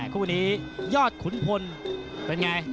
คู่นี้ยอดขุนพลเป็นไง